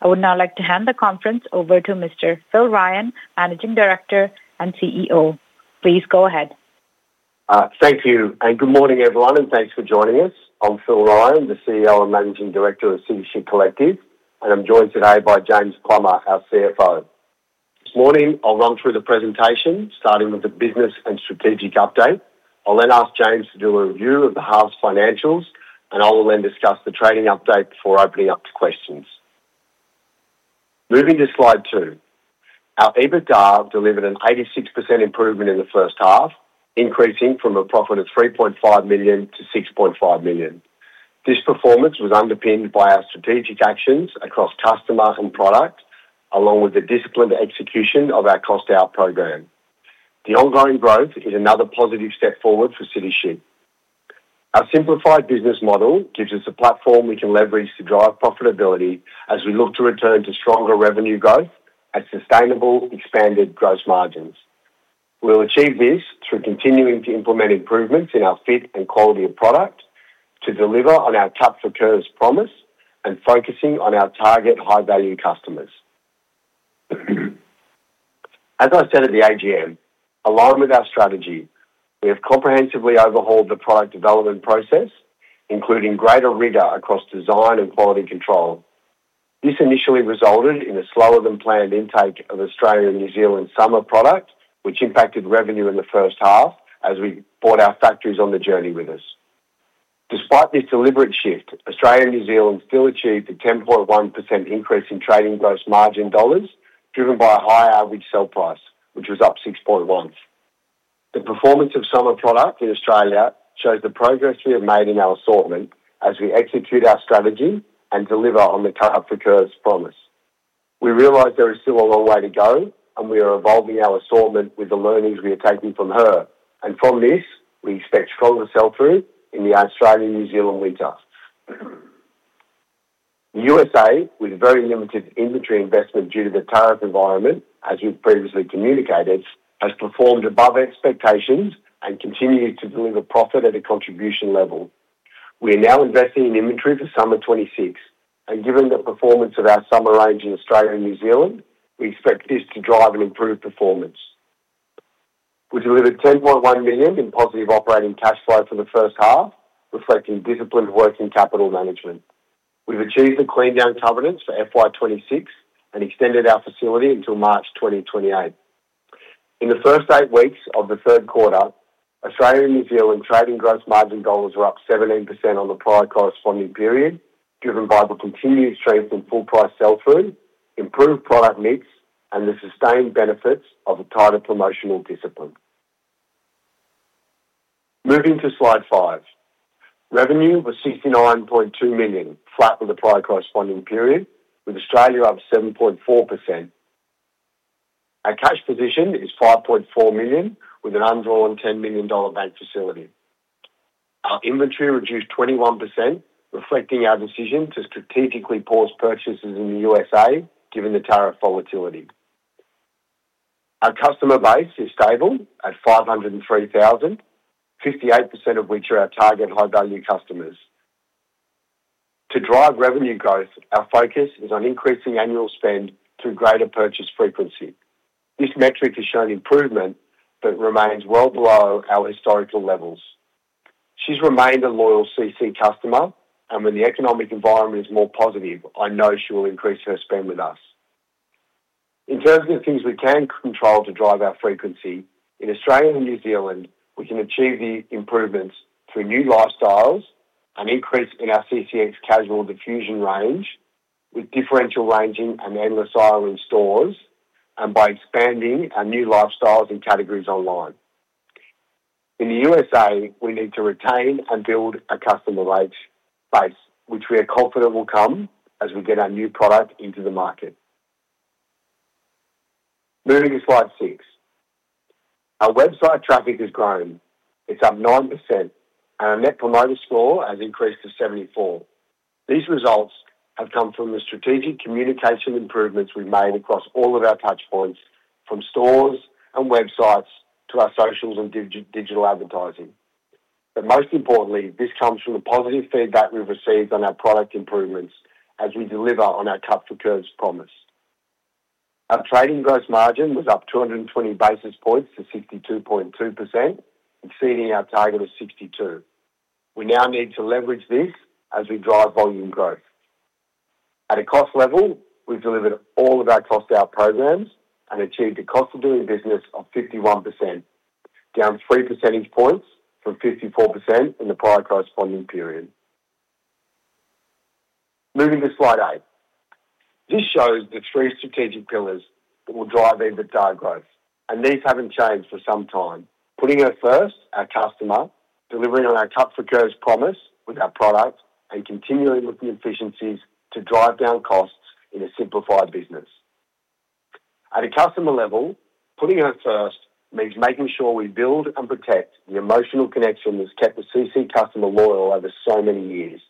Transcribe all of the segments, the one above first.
I would now like to hand the conference over to Mr. Phil Ryan, Managing Director and CEO. Please go ahead. Thank you, and good morning, everyone, and thanks for joining us. I'm Phil Ryan, the CEO and Managing Director of City Chic Collective, and I'm joined today by James Plummer, our CFO. This morning, I'll run through the presentation, starting with the business and strategic update. I'll then ask James to do a review of the half's financials, and I will then discuss the trading update before opening up to questions. Moving to slide two. Our EBITDA delivered an 86% improvement in the first half, increasing from a profit of $3.5 million to $6.5 million. This performance was underpinned by our strategic actions across customer and product, along with the disciplined execution of our cost out program. The ongoing growth is another positive step forward for City Chic. Our simplified business model gives us a platform we can leverage to drive profitability as we look to return to stronger revenue growth and sustainable expanded gross margins. We'll achieve this through continuing to implement improvements in our fit and quality of product, to deliver on our Cut for Curves promise and focusing on our target high-value customers. As I said at the AGM, along with our strategy, we have comprehensively overhauled the product development process, including greater rigor across design and quality control. This initially resulted in a slower than planned intake of Australian and New Zealand summer product, which impacted revenue in the first half as we brought our factories on the journey with us. Despite this deliberate shift, Australia and New Zealand still achieved a 10.1% increase in trading gross margin dollars, driven by a higher average sale price, which was up 6.1%. The performance of summer product in Australia shows the progress we have made in our assortment as we execute our strategy and deliver on the Cut for Curves promise. We realize there is still a long way to go, and we are evolving our assortment with the learnings we are taking from her. From this, we expect stronger sell-through in the Australian and New Zealand winters. The USA, with very limited inventory investment due to the tariff environment, as we've previously communicated, has performed above expectations and continued to deliver profit at a contribution level. We are now investing in inventory for summer 2026, and given the performance of our summer range in Australia and New Zealand, we expect this to drive an improved performance. We delivered 10.1 million in positive operating cash flow for the first half, reflecting disciplined working capital management. We've achieved the clean down covenants for FY 2026 and extended our facility until March 2028. In the first eight weeks of the third quarter, Australian and New Zealand trading gross margin dollars were up 17% on the prior corresponding period, driven by the continued strength in full price sell-through, improved product mix, and the sustained benefits of a tighter promotional discipline. Moving to slide five. Revenue was 69.2 million, flat with the prior corresponding period, with Australia up 7.4%. Our cash position is 5.4 million, with an undrawn 10 million dollar bank facility. Our inventory reduced 21%, reflecting our decision to strategically pause purchases in the USA, given the tariff volatility. Our customer base is stable at 503,000, 58% of which are our target high-value customers. To drive revenue growth, our focus is on increasing annual spend through greater purchase frequency. This metric has shown improvement but remains well below our historical levels. She's remained a loyal CC customer, and when the economic environment is more positive, I know she will increase her spend with us. In terms of the things we can control to drive our frequency, in Australia and New Zealand, we can achieve these improvements through new lifestyles, an increase in our CCX casual diffusion range with differential ranging and endless aisle in stores, and by expanding our new lifestyles and categories online. In the USA, we need to retain and build a customer base, which we are confident will come as we get our new product into the market. Moving to slide six. Our website traffic has grown. It's up 9%, and our Net Promoter Score has increased to 74. These results have come from the strategic communication improvements we've made across all of our touchpoints, from stores and websites to our socials and digital advertising. Most importantly, this comes from the positive feedback we've received on our product improvements as we deliver on our Cut for Curves promise. Our trading gross margin was up 220 basis points to 62.2%, exceeding our target of 62%. We now need to leverage this as we drive volume growth. At a cost level, we've delivered all of our cost out programs and achieved a cost of doing business of 51%, down three percentage points from 54% in the prior corresponding period. Moving to slide nine. This shows the three strategic pillars that will drive EBITDA growth, and these haven't changed for some time. Putting her first, our customer, delivering on our Cut for Curves promise with our product, and continually looking at efficiencies to drive down costs in a simplified business. At a customer level, putting her first means making sure we build and protect the emotional connection that's kept the CC customer loyal over so many years.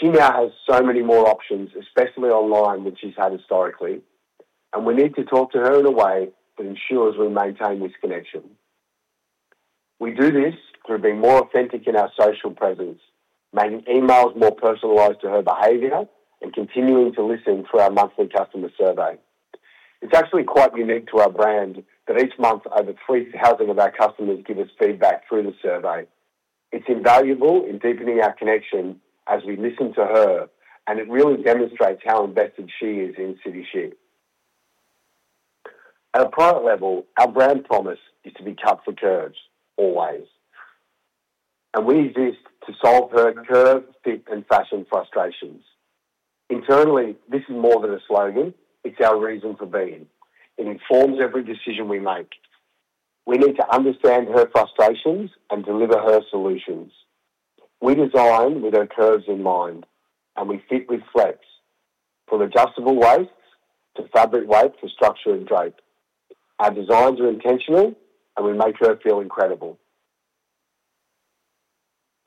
She now has so many more options, especially online, than she's had historically. We need to talk to her in a way that ensures we maintain this connection. We do this through being more authentic in our social presence, making emails more personalized to her behavior, and continuing to listen through our monthly customer survey. It's actually quite unique to our brand that each month, over 3,000 of our customers give us feedback through the survey. It's invaluable in deepening our connection as we listen to her, and it really demonstrates how invested she is in City Chic. At a product level, our brand promise is to be Cut for Curves, always. We exist to solve her curve, fit, and fashion frustrations. Internally, this is more than a slogan; it's our reason for being. It informs every decision we make. We need to understand her frustrations and deliver her solutions. We design with her curves in mind, and we fit with flex. From adjustable waists to fabric weight for structure and drape. Our designs are intentional, and we make her feel incredible.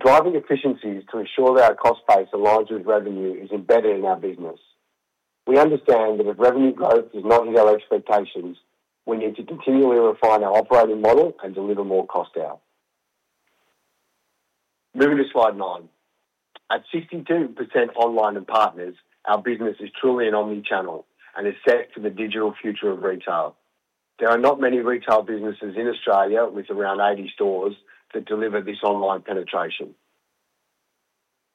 Driving efficiencies to ensure that our cost base aligns with revenue is embedded in our business. We understand that if revenue growth does not meet our expectations, we need to continually refine our operating model and deliver more cost out. Moving to slide nine. At 62% online and partners, our business is truly an omni-channel and is set for the digital future of retail. There are not many retail businesses in Australia with around 80 stores that deliver this online penetration.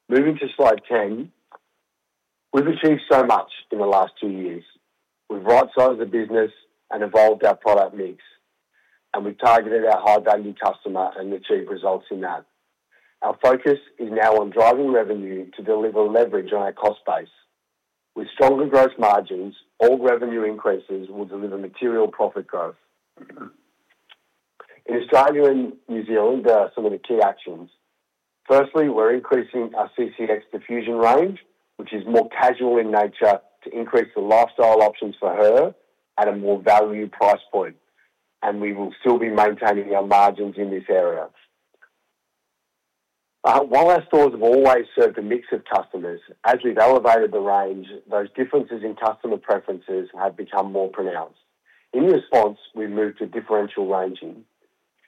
Moving to slide 10. We've achieved so much in the last two years. We've right-sized the business and evolved our product mix, and we've targeted our high-value customer and achieved results in that. Our focus is now on driving revenue to deliver leverage on our cost base. With stronger gross margins, all revenue increases will deliver material profit growth. In Australia and New Zealand, there are some of the key actions. Firstly, we're increasing our CCX diffusion range, which is more casual in nature, to increase the lifestyle options for her at a more value price point, and we will still be maintaining our margins in this area. While our stores have always served a mix of customers, as we've elevated the range, those differences in customer preferences have become more pronounced. In response, we've moved to differential ranging.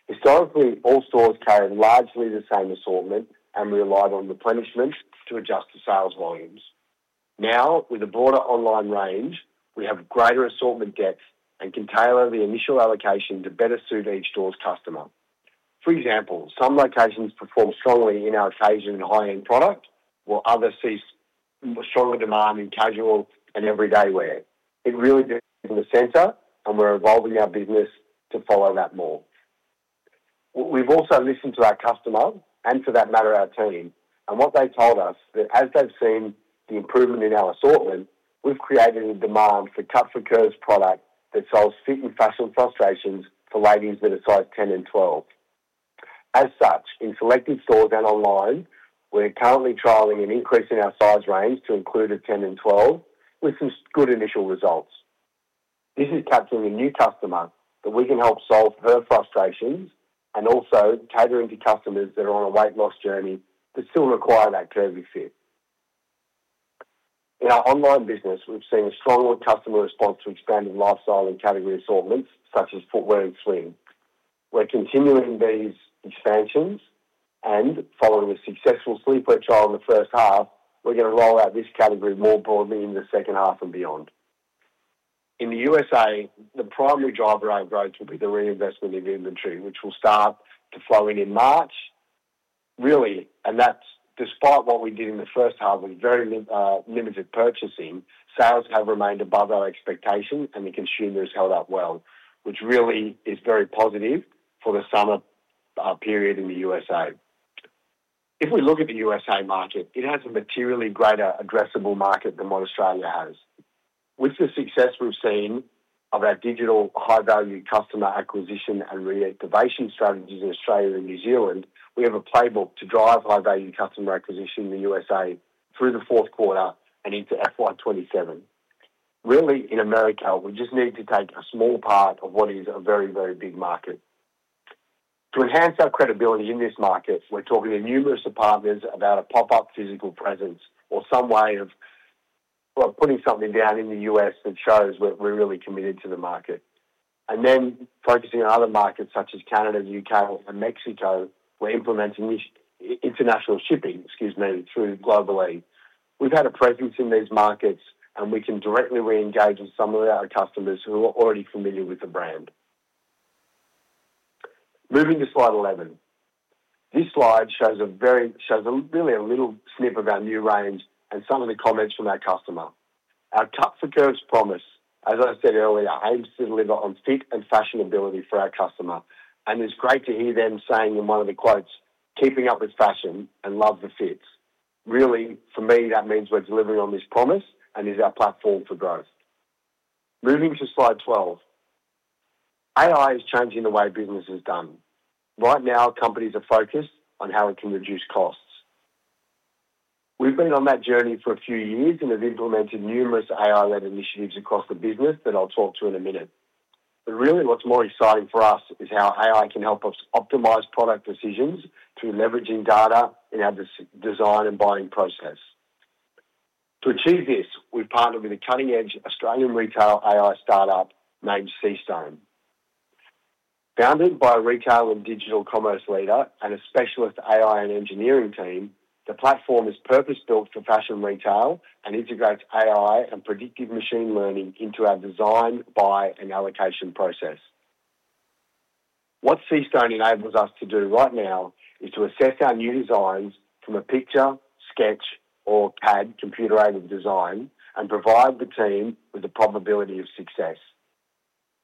Historically, all stores carried largely the same assortment and relied on replenishment to adjust to sales volumes. Now, with a broader online range, we have greater assortment depth and can tailor the initial allocation to better suit each store's customer. For example, some locations perform strongly in our occasion and high-end product, while others see stronger demand in casual and everyday wear. It really in the center, and we're evolving our business to follow that more. We've also listened to our customer and, for that matter, our team, and what they told us, that as they've seen the improvement in our assortment, we've created a Cut for Curves product that solves fit and fashion frustrations for ladies that are size 10 and 12. As such, in selected stores and online, we're currently trialing an increase in our size range to include a 10 and 12, with some good initial results. This is capturing a new customer that we can help solve her frustrations and also catering to customers that are on a weight loss journey but still require that curvy fit. In our online business, we've seen a stronger customer response to expanded lifestyle and category assortments, such as footwear and sleepwear. We're continuing these expansions, and following a successful sleepwear trial in the first half, we're gonna roll out this category more broadly in the second half and beyond. In the USA, the primary driver of growth will be the reinvestment in inventory, which will start to flow in in March, really, and that's despite what we did in the first half with very limited purchasing. Sales have remained above our expectations, and the consumer has held up well, which really is very positive for the summer period in the USA. If we look at the USA market, it has a materially greater addressable market than what Australia has. With the success we've seen of our digital high-value customer acquisition and reactivation strategies in Australia and New Zealand, we have a playbook to drive high-value customer acquisition in the USA through the fourth quarter and into FY 2027. Really, in America, we just need to take a small part of what is a very, very big market. To enhance our credibility in this market, we're talking to numerous partners about a pop-up physical presence or some way of, well, putting something down in the U.S. that shows we're, we're really committed to the market. Focusing on other markets such as Canada, U.K., and Mexico, we're implementing this international shipping, excuse me, through Global-e. We've had a presence in these markets, and we can directly re-engage with some of our customers who are already familiar with the brand. Moving to slide 11. This slide shows a shows a really a little snip of our new range and some of the comments from our customer. Our Cut for Curves promise, as I said earlier, aims to deliver on fit and fashionability for our customer, and it's great to hear them saying in one of the quotes, "Keeping up with fashion and love the fits." Really, for me, that means we're delivering on this promise and is our platform for growth. Moving to slide 12. AI is changing the way business is done. Right now, companies are focused on how it can reduce costs. We've been on that journey for a few years and have implemented numerous AI-led initiatives across the business that I'll talk through in a minute. Really, what's more exciting for us is how AI can help us optimize product decisions through leveraging data in our design and buying process. To achieve this, we've partnered with a cutting-edge Australian retail AI startup named SeeStone. Founded by a retail and digital commerce leader and a specialist AI and engineering team, the platform is purpose-built for fashion retail and integrates AI and predictive machine learning into our design, buy, and allocation process. What SeeStone enables us to do right now is to assess our new designs from a picture, sketch, or CAD, Computer-Aided Design, and provide the team with a probability of success.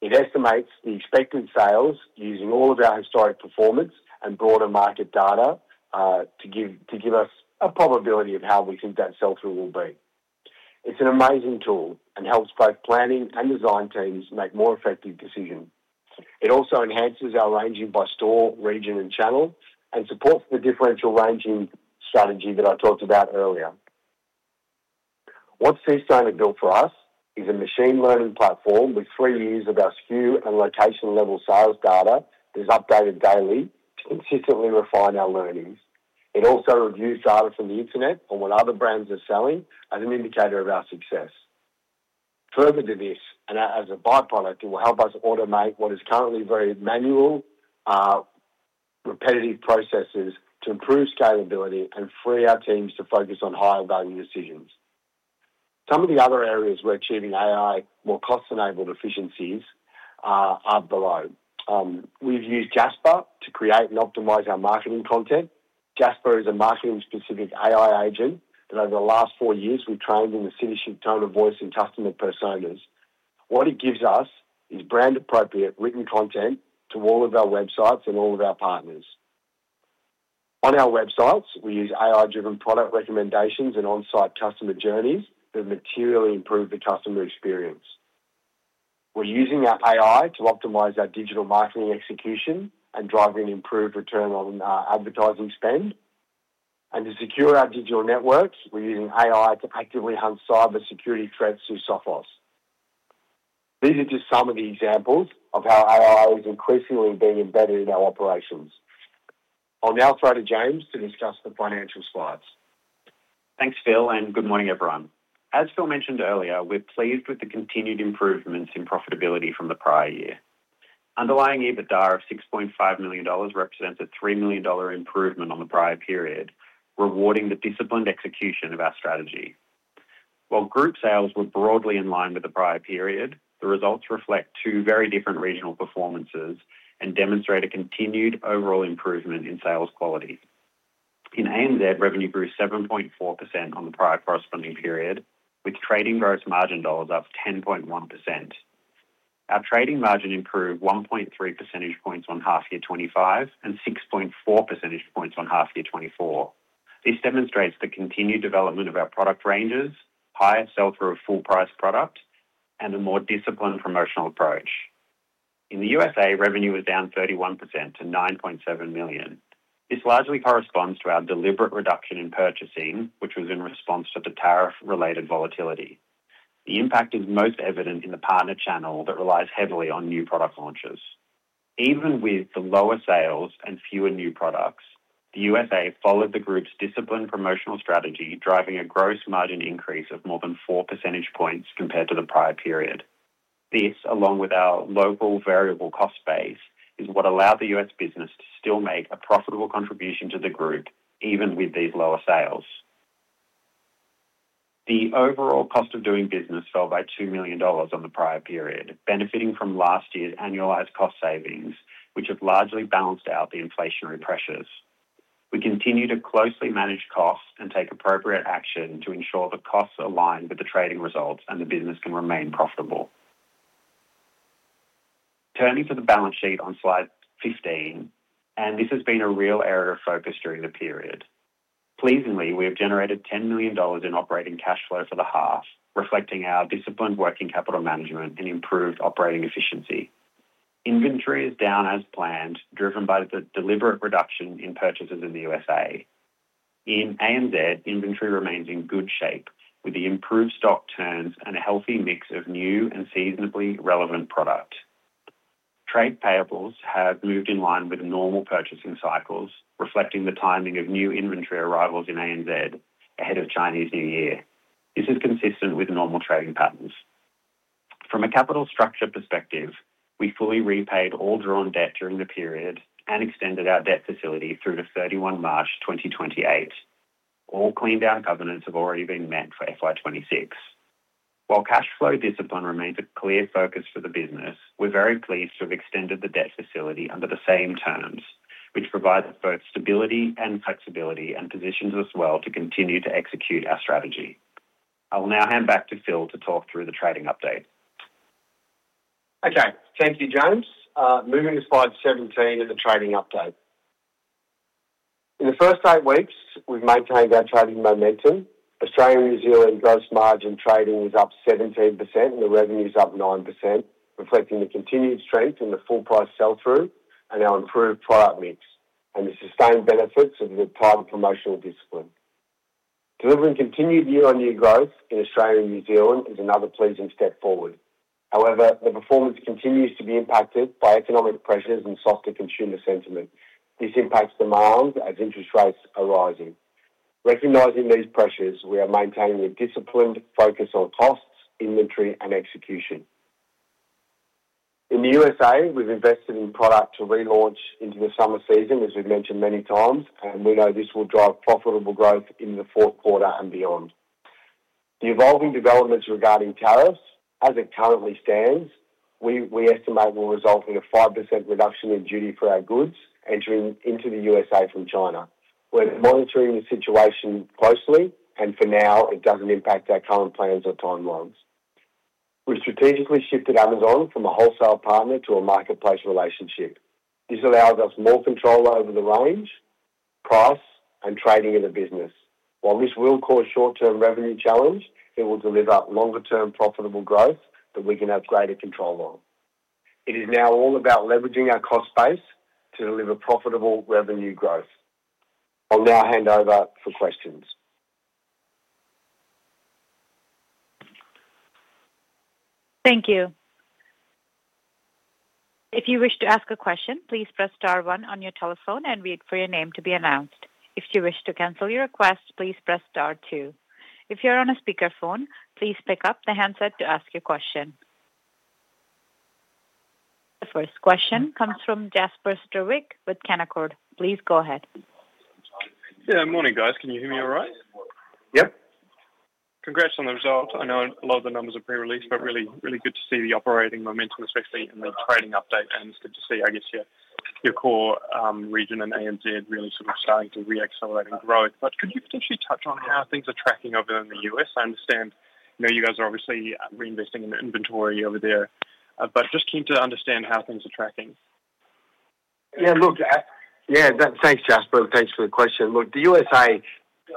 It estimates the expected sales using all of our historic performance and broader market data, to give, to give us a probability of how we think that sell-through will be. It's an amazing tool and helps both planning and design teams make more effective decisions. It also enhances our ranging by store, region, and channel and supports the differential ranging strategy that I talked about earlier. What SeeStone has built for us is a machine learning platform with three years of our SKU and location-level sales data that is updated daily to consistently refine our learnings. It also reviews data from the internet on what other brands are selling as an indicator of our success. Further to this, and as a by-product, it will help us automate what is currently very manual, repetitive processes to improve scalability and free our teams to focus on higher-value decisions. Some of the other areas we're achieving AI, more cost-enabled efficiencies, are, are below. We've used Jasper to create and optimize our marketing content. Jasper is a marketing-specific AI agent that over the last four years we've trained in the City Chic tone of voice and customer personas. What it gives us is brand-appropriate written content to all of our websites and all of our partners. On our websites, we use AI-driven product recommendations and on-site customer journeys that materially improve the customer experience. We're using our AI to optimize our digital marketing execution and driving improved return on advertising spend. To secure our digital networks, we're using AI to actively hunt cybersecurity threats through Sophos. These are just some of the examples of how AI is increasingly being embedded in our operations. I'll now throw to James to discuss the financial slides. Thanks, Phil, and good morning, everyone. As Phil mentioned earlier, we're pleased with the continued improvements in profitability from the prior year. Underlying EBITDA of 6.5 million dollars represents an 3 million dollar improvement on the prior period, rewarding the disciplined execution of our strategy. While group sales were broadly in line with the prior period, the results reflect two very different regional performances and demonstrate a continued overall improvement in sales quality. In ANZ, revenue grew 7.4% on the prior corresponding period, with trading gross margin dollars up 10.1%. Our trading margin improved 1.3 percentage points on H1 2025 and 6.4 percentage points on H1 2024. This demonstrates the continued development of our product ranges, higher sell-through of full price product, and a more disciplined promotional approach. In the USA, revenue was down 31% to $9.7 million. This largely corresponds to our deliberate reduction in purchasing, which was in response to the tariff-related volatility. The impact is most evident in the partner channel that relies heavily on new product launches. Even with the lower sales and fewer new products, the USA followed the group's disciplined promotional strategy, driving a gross margin increase of more than four percentage points compared to the prior period. This, along with our local variable cost base, is what allowed the U.S. business to still make a profitable contribution to the group, even with these lower sales. The overall cost of doing business fell by $2 million on the prior period, benefiting from last year's annualized cost savings, which have largely balanced out the inflationary pressures. We continue to closely manage costs and take appropriate action to ensure the costs align with the trading results and the business can remain profitable. Turning to the balance sheet on slide 15, and this has been a real area of focus during the period. Pleasingly, we have generated 10 million dollars in operating cash flow for the half, reflecting our disciplined working capital management and improved operating efficiency. Inventory is down as planned, driven by the deliberate reduction in purchases in the USA. In ANZ, inventory remains in good shape, with the improved stock turns and a healthy mix of new and seasonably relevant product. Trade payables have moved in line with normal purchasing cycles, reflecting the timing of new inventory arrivals in ANZ ahead of Chinese New Year. This is consistent with normal trading patterns. From a capital structure perspective, we fully repaid all drawn debt during the period and extended our debt facility through to March 31, 2028. All clean down covenants have already been met for FY 2026. While cash flow discipline remains a clear focus for the business, we're very pleased to have extended the debt facility under the same terms, which provides both stability and flexibility and positions us well to continue to execute our strategy. I will now hand back to Phil to talk through the trading update. Okay, thank you, James. Moving to slide 17 in the trading update. In the first eight weeks, we've maintained our trading momentum. Australia and New Zealand gross margin trading was up 17%, and the revenue's up 9%, reflecting the continued strength in the full price sell-through and our improved product mix, and the sustained benefits of the target promotional discipline. Delivering continued year-on-year growth in Australia and New Zealand is another pleasing step forward. However, the performance continues to be impacted by economic pressures and softer consumer sentiment. This impacts demand as interest rates are rising. Recognizing these pressures, we are maintaining a disciplined focus on costs, inventory, and execution. In the USA, we've invested in product to relaunch into the summer season, as we've mentioned many times, and we know this will drive profitable growth in the 4th quarter and beyond. The evolving developments regarding tariffs, as it currently stands, we estimate will result in a 5% reduction in duty for our goods entering into the USA from China. We're monitoring the situation closely. For now, it doesn't impact our current plans or timelines. We've strategically shifted Amazon from a wholesale partner to a marketplace relationship. This allows us more control over the range, price, and trading of the business. While this will cause short-term revenue challenge, it will deliver longer-term profitable growth that we can have greater control on. It is now all about leveraging our cost base to deliver profitable revenue growth. I'll now hand over for questions. Thank you. If you wish to ask a question, please press star one on your telephone and wait for your name to be announced. If you wish to cancel your request, please press star two. If you're on a speakerphone, please pick up the handset to ask your question. The first question comes from Jasper Struwig with Canaccord. Please go ahead. Morning, guys. Can you hear me all right? Yep. Congrats on the result. I know a lot of the numbers are pre-released, really, really good to see the operating momentum, especially in the trading update, and it's good to see, I guess, your, your core region and Americas really sort of starting to re-accelerate and grow. Could you potentially touch on how things are tracking over in the U.S.? I understand, you know, you guys are obviously reinvesting in the inventory over there, just keen to understand how things are tracking. Yeah, look, Yeah, that-- Thanks, Jasper. Thanks for the question. Look, the USA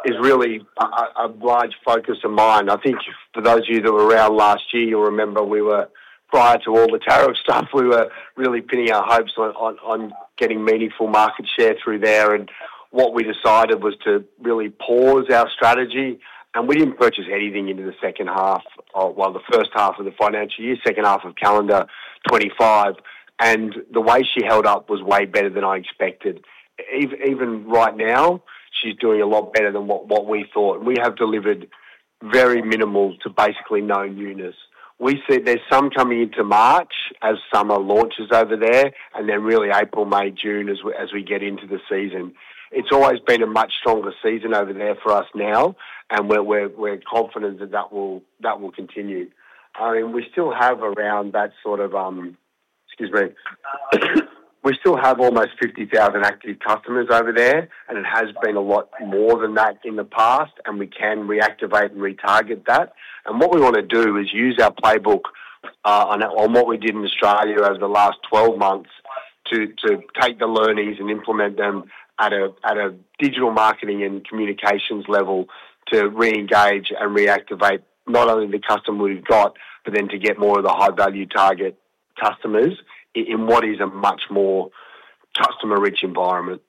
is really a, a, a large focus of mine. I think for those of you that were around last year, you'll remember we were, prior to all the tariff stuff, we were really pinning our hopes on, on, on getting meaningful market share through there. What we decided was to really pause our strategy, and we didn't purchase anything into the second half of, well, the first half of the financial year, second half of calendar 2025, and the way she held up was way better than I expected. Even right now, she's doing a lot better than what, what we thought. We have delivered very minimal to basically no newness. We see there's some coming into March as summer launches over there, and then really April, May, June, as we, as we get into the season. It's always been a much stronger season over there for us now, and we're, we're, we're confident that that will, that will continue. I mean, we still have around that sort of, excuse me. We still have almost 50,000 active customers over there, and it has been a lot more than that in the past, and we can reactivate and retarget that. What we wanna do is use our playbook, on what we did in Australia over the last 12 months to take the learnings and implement them at a digital marketing and communications level to reengage and reactivate not only the customer we've got, but then to get more of the high-value target customers in what is a much more customer-rich environment.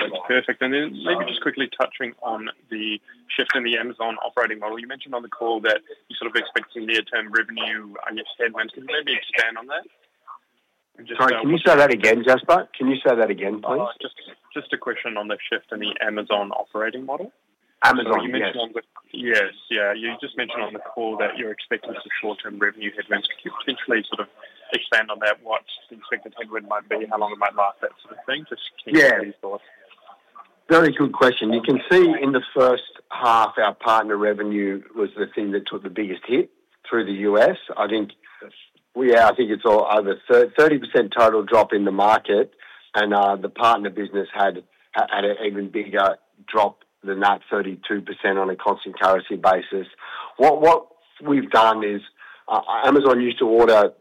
That's perfect. Maybe just quickly touching on the shift in the Amazon operating model. You mentioned on the call that you're sort of expecting near-term revenue and your headwind. Can you maybe expand on that? Sorry, can you say that again, Jasper? Can you say that again, please? just, just a question on the shift in the Amazon operating model. Amazon, yes. Yes. Yeah, you just mentioned on the call that you're expecting some short-term revenue headwinds. Can you potentially sort of expand on that, what the expected headwind might be, how long it might last, that sort of thing? Yeah. Any thoughts? Very good question. You can see in the first half, our partner revenue was the thing that took the biggest hit through the U.S. I think, yeah, I think it's all over 30% total drop in the market, the partner business had an even bigger drop than that, 32% on a constant currency basis. What we've done is Amazon used to order,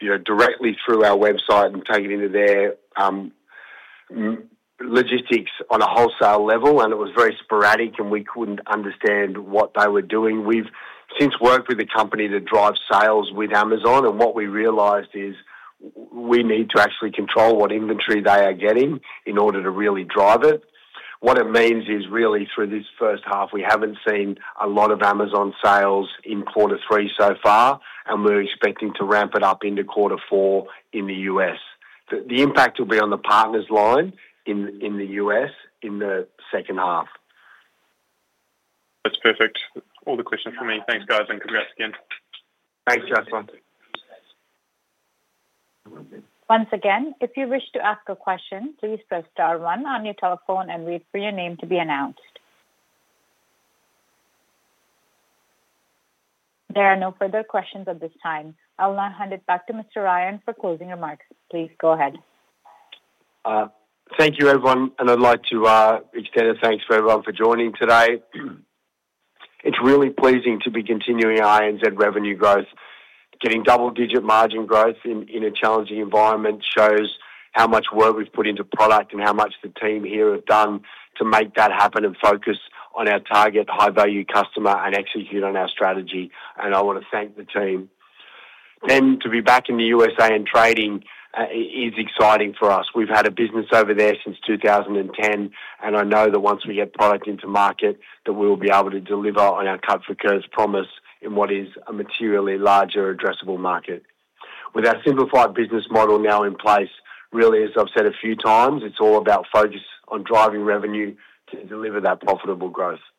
you know, directly through our website and take it into their logistics on a wholesale level, it was very sporadic, and we couldn't understand what they were doing. We've since worked with a company to drive sales with Amazon, what we realized is we need to actually control what inventory they are getting in order to really drive it. What it means is really through this first half, we haven't seen a lot of Amazon sales in quarter three so far, and we're expecting to ramp it up into quarter four in the U.S. The impact will be on the partners line in the U.S in the second half. That's perfect. All the questions from me. Thanks, guys, and congrats again. Thanks, Jasper. Once again, if you wish to ask a question, please press star one on your telephone and wait for your name to be announced. There are no further questions at this time. I will now hand it back to Mr. Ryan for closing remarks. Please go ahead. Thank you, everyone, I'd like to extend a thanks to everyone for joining today. It's really pleasing to be continuing our Americas revenue growth. Getting double-digit margin growth in, in a challenging environment shows how much work we've put into product and how much the team here have done to make that happen and focus on our target high-value customer and execute on our strategy. I wanna thank the team. To be back in the USA and trading is exciting for us. We've had a business over there since 2010, and I know that once we get product into market, that we will be able to deliver on our Cut for Curves promise in what is a materially larger addressable market. With our simplified business model now in place, really, as I've said a few times, it's all about focus on driving revenue to deliver that profitable growth. Thank you.